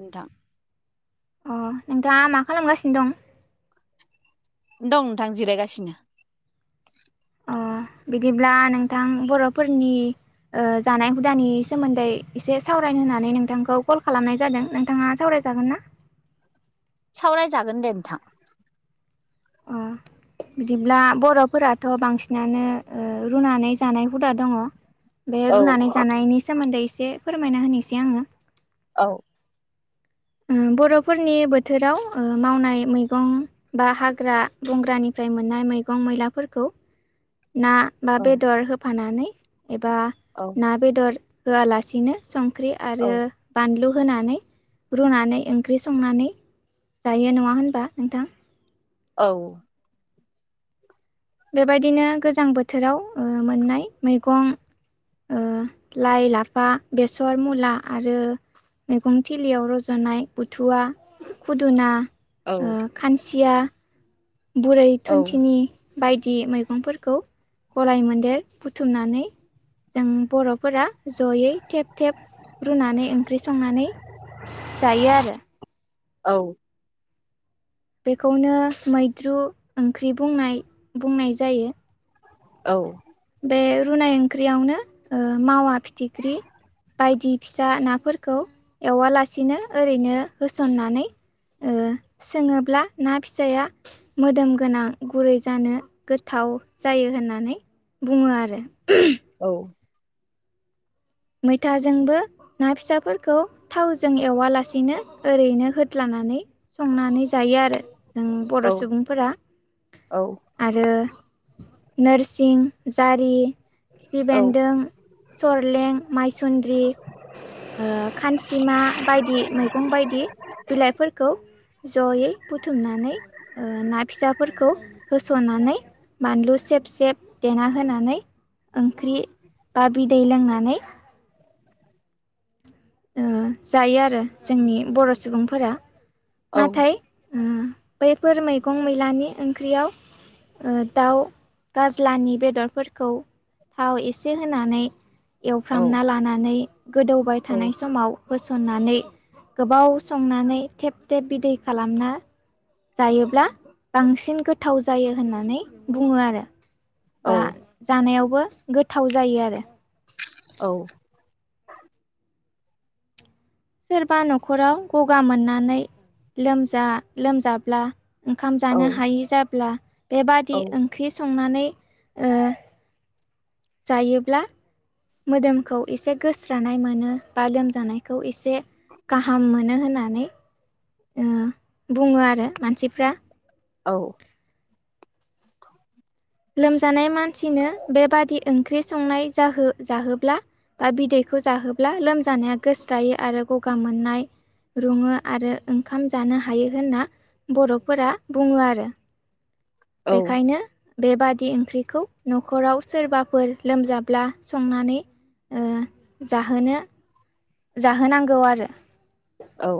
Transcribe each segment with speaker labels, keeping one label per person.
Speaker 1: नोंथां
Speaker 2: अ नोंथाङा मा खालामगासिनो दं
Speaker 1: दं नोंथां जिरायगासिनो
Speaker 2: अ बिदिब्ला नोंथां बर'फोरनि ओ जानाय हुदानि सोमोन्दै एसे सावरायनो होननानै नोंथांखौ कल खालामनाय जादों नोंथाङा सावरायजागोन ना
Speaker 1: सावरायजागोन दे नोंथां
Speaker 2: अ बिदिब्ला बर'फोराथ' बांसि नानो ओ रुनानै जानाय हुदा दङ बे
Speaker 1: औ
Speaker 2: रुनानै जानायनि सोमोन्दै एस फोरमायना होनिसै आङो
Speaker 1: औ
Speaker 2: उम बर'फोरनि बोथोराव ओ मावनाय मैगं बा हाग्रा बंग्रानिफ्राय मोननाय मैगं मैलाफोरखौ ना बा
Speaker 1: औ
Speaker 2: बेदर होफानानै एबा
Speaker 1: औ
Speaker 2: ना बेदर होआलासिनो संख्रि
Speaker 1: औ
Speaker 2: आरो बानलु होनानै रुनानै ओंख्रि संनानै जायो नङा होनबा नोंथां
Speaker 1: औ
Speaker 2: बेबायदिनो गोजां बोथोराव ओ मोननाय मैगं ओ लाइ लाफा बेसर मुला आरो मैगं थिलियाव रज'नाय बुथुवा खुदुना
Speaker 1: औ
Speaker 2: ओ खानसिया बुरै
Speaker 1: औ
Speaker 2: थुनथिनि बायदि मैगंफोरखौ गलाय मोन्देर बुथुमनानै जों बर'फोरा जयै थेब थेब रुनानै ओंख्रि संनानै जायो आरो
Speaker 1: औ
Speaker 2: बेखौनो मैद्रु ओंख्रि बुंनाय बुंनाय जायो ।
Speaker 1: औ
Speaker 2: बे रुनाय ओंख्रियावनो मावा फिथिख्रि बायदि फिसा नाफोरखौ एवालासिनो ओरैनो होसननानै सोंङोब्ला ना फिसाया मोदोम गोनां गुरै जानो गोथाव औ जायो होननानै बुंङो आरो मैथाजोंबो ना फिसाफोरखौ थावजों एवालासिनो ओरैनो होदालानानै संनानै जायो आरो जों
Speaker 1: औ
Speaker 2: बर' सुबुंफोरा
Speaker 1: औ औ
Speaker 2: आरो नोरसिं जारि खिफि
Speaker 1: औ
Speaker 2: बेन्दों सरलें मायसन्द्रि खानसिमा बायदि मैगं बायदि बिलाइफोरखौ जयै बुथुमनानै ना फिसाफोरखौ होस'ननानै बानलुसि सेब सेब देना होनानै ओंख्रि बा बिदै लोंनानै जायो आरो जोंनि बर' सुबुंफोरा नाथाय ओ बैफोर मैगं मैलानि ओंख्रियाव दाउ गाज्लानि बेदरफोरखौ थाव एसे होनानै एवफ्रामना लानानै गोदौबाय थानाय समाव होसननानै गोबाव संनानै थेब थेब बिदै खालामना जायोब्ला बांसिन गोथाव जायो होननानै बुंङो आरो बा जानायावबो गोथाव जायो आरो
Speaker 1: औ
Speaker 2: सोरबा न'खराव गगा मोननानै लोमजा लोमजाब्ला ओंखाम जानो हायि जाब्ला बेबादि ओंख्रि संनानै जायोब्ला मोदोमखौ एसे गोस्रानाय मोनो बा लोमजानायखौ एसे गाहाम मोनो होननानै बुंङो आरो मानसिफ्रा लोमजानाय मानसिनो बेबादि ओंख्रि संनाय जाहो जाहोब्ला बा बिदैखौ जाहोब्ला लोमजानाया गोस्रायो आरो गगा मोननाय रुङो आरो ओंखाम जानो हायो होनना बर'फोरा बुंङो आरो
Speaker 1: औ
Speaker 2: बेखायनो बेबादि ओंख्रिखौ न'खराव सोरबाफोर लोमजाब्ला संनानै जाहोनो जाहोनांगौ आरो
Speaker 1: औ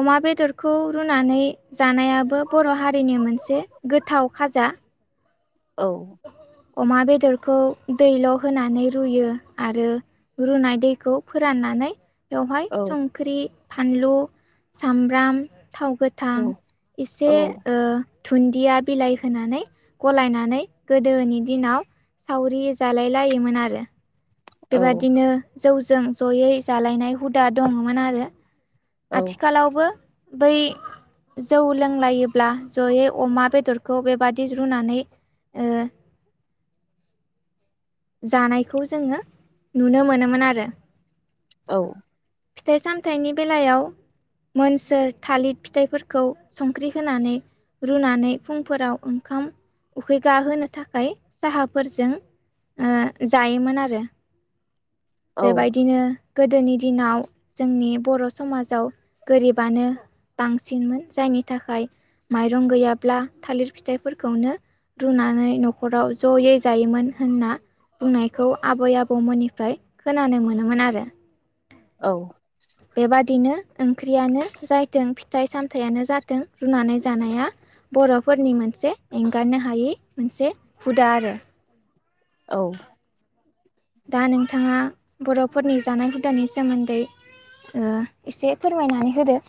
Speaker 2: अमा बेदरखौ रुनानै जानायाबो बर' हारिनि मोनसे गोथाव खाजा
Speaker 1: औ
Speaker 2: अमा बेदरखौ दैल' होनानै रुयो आरो रुनाय दैखौ फोराननानै बेवहाय संख्रि फानलु सामब्राम थाव गोथां एसे दुन्दिया बिलाइ होनानै गलायनानै गोदोनि दिनाव सावरि जालाय लायोमोन आरो बेबादिनो जौजों जयै जालायनाय हुदा दंङोमोन आरो आथिखालावबो बै जौ लोंलायोब्ला जयै अमा बेदरखौ बेबादि रुनानै ओ जानायखौ जोंङो नुनो मोनोमोन आरो
Speaker 1: औ
Speaker 2: फिथाइ सामथायाइनि बेलायाव मोनसोर थालिर फिथाइफोरखौ संख्रि होनानै रुनानै फुंफोराव ओंखाम उखैगा होनो थाखाय साहाफोरजों जायोमोन आरो बेबायदिनो गोदोनि दिनाव जोंनि बर' समाजाव गोरिबानो बांसिनमोन जायनि थाखाय माइरं गैयाब्ला थालिर फिथाइफोरखौनो रुनानै न'खराव ज'यै जायोमोन होनना बुंनायखौ आबै आबौमोननिफ्राय खोनानो मोनोमोन आरो
Speaker 1: औ
Speaker 2: बेबादिनो ओंख्रियानो जाथों फिथाइ सामथायाइयानो जाथों रुनानै जानाया बर'फोरनि मोनसे एंगारनो हायै मोनसे हुदा आरो
Speaker 1: औ
Speaker 2: दा नोंथाङा बर'फोरनि जानाय हुदानि सोमोन्दै ओ एसे फोरमायनानै होदो।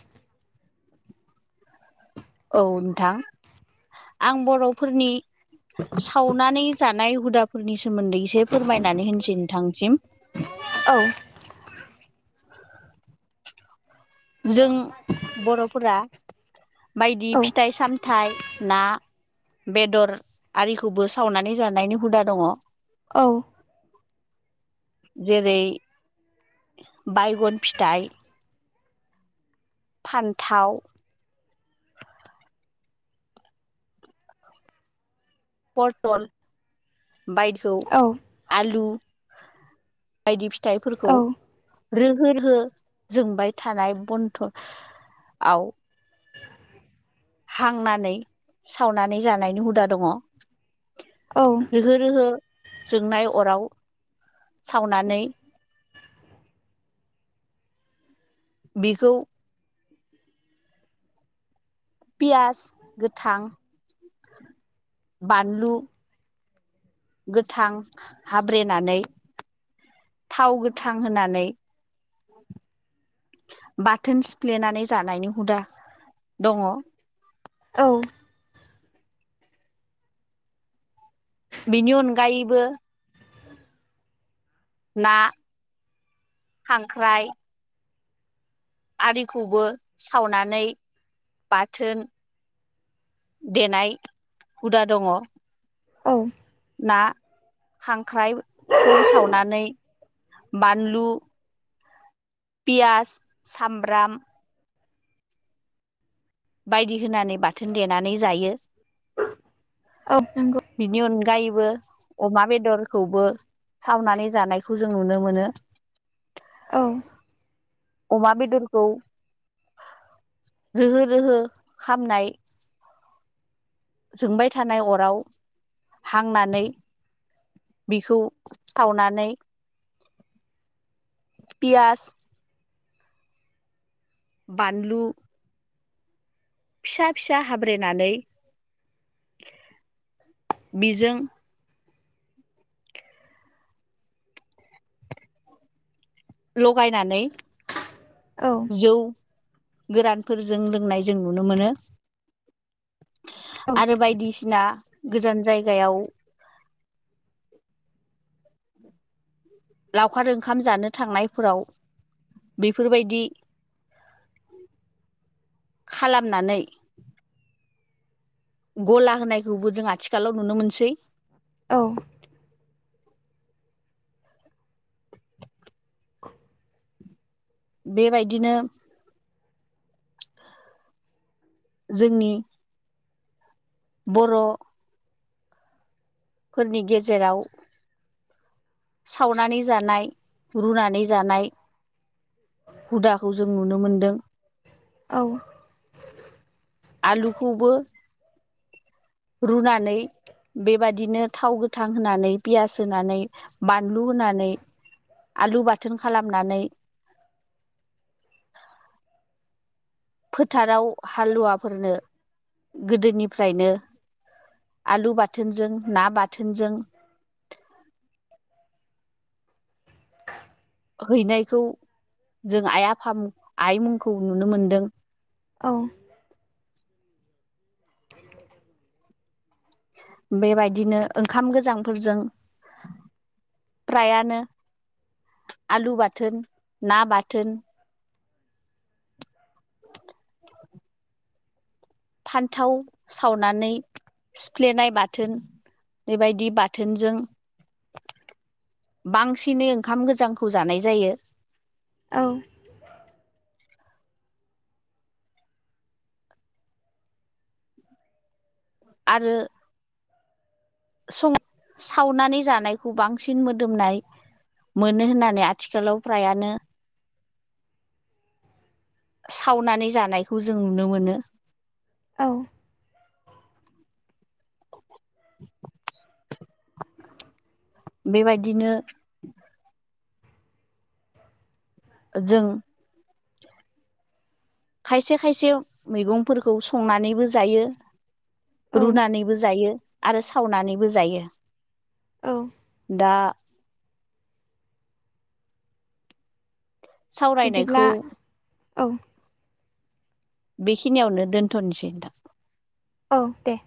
Speaker 1: औ नोंथां आं बर'फोरनि सावनानै जानाय हुदाफोरनि सोमोन्दै एसे फोरमायनानै होनसै नोंथांसिम
Speaker 2: औ
Speaker 1: जों बर'फोरा बायदि
Speaker 2: औ
Speaker 1: फिथाइ सामथाइ ना बेदर आरिखौबो सावनानै जानायनि हुदा दङ।
Speaker 2: औ
Speaker 1: जेरै बायगन फिथाइ फान्थाव पटल बायधुखौ
Speaker 2: औ
Speaker 1: आलु बायदि फिथाइफोरखौ रोहो रोहो जोंबाय थानाय बन्थआव
Speaker 2: [inaudible]
Speaker 1: हांनानै सावनानै जानायनि हुदा दङ।
Speaker 2: औ
Speaker 1: रोहो रोहो जोंनाय अराव सावनानै बेखौ पियास गोथां बानलु गोथां हाब्रेनानै थाव गोथां होनानै बाथोन सिफ्लेनानै जानायनि हुदा दङ।
Speaker 2: औ
Speaker 1: बेनि अनगायैबो ना खांख्राइ आरिखौबो सावनानै बाथोन देनाय हुदा दङ।
Speaker 2: औ
Speaker 1: ना खांख्राइखौ सावनानै बानलु पियास सामब्राम बायदि होनानै बाथोन देनानै जायो।
Speaker 2: औ नोंगौ।
Speaker 1: गायबो अमा बेदरखौबो सावनानै जानायखौ जों नुनो मोनो।
Speaker 2: औ
Speaker 1: अमा बेदरखौ रोहो रोहो खामनाय जोंबाय थानाय अराव हांनानै बिखौ सावनानै पियास बानलु फिसा फिसा हाब्रेनानै बिजों लगायनानै
Speaker 2: औ
Speaker 1: जौ गोरानफोरजों लोंनाय जों नुनो मोनो
Speaker 2: औ
Speaker 1: आरो बायदिसिना गोजान जायगायाव
Speaker 2: [inaudible]
Speaker 1: लावखार ओंखाम जानो थांनायफोराव बेफोरबायदि खालामनानै गला होनायखौबो जों आथिखालाव नुनो मोनसै
Speaker 2: औ
Speaker 1: बेबायदिनो जोंनि बर' फोरनि गेजेराव सावनानै जानाय रुनानै जानाय हुदाखौ जों नुनो मोनदों
Speaker 2: औ
Speaker 1: आलुखौबो रुनानै बेबादिनो थाव गोथां होनानै पियास होनानै बानलु होनानै आलु बाथोन खालामनानै
Speaker 2: [inaudible]
Speaker 1: फोथाराव हालुवाफोरनो गोदोनिफ्रायनो आलु बाथोनजों ना बाथोनजों हैनायखौ जों आइ आफा आइ मुंखौ नुनो मोनदों
Speaker 2: औ
Speaker 1: बेबायदिनो ओंखाम गोजांफोरजों फ्रायानो आलु बाथोन ना बाथोन
Speaker 2: [inaudible]
Speaker 1: फान्थाव सावनानै सिफ्लेनाय बाथोन बेबायदि बाथोनजों
Speaker 2: [inaudible]
Speaker 1: बांसिनै ओंखाम गोजांखौ जानाय जायो
Speaker 2: औ
Speaker 1: आरो सं सावनानै जानायखौ बांसिन मोदोमनाय मोनो होननानै आथिखालाव फ्रायानो सावनानै जानायखौ जों नुनो मोनो
Speaker 2: औ
Speaker 1: बेबायदिनो जों खायसे खायसे मैगंफोरखौ संनानैबो जायो।
Speaker 2: औ
Speaker 1: रुनानैबो जायो आरो सावनानैबो जायो।
Speaker 2: औ
Speaker 1: दा
Speaker 2: बिदिब्ला
Speaker 1: सावरायनायखौ
Speaker 2: औ
Speaker 1: बेखिनियावनो दोनथ नोसै नोंथां।
Speaker 2: औ दे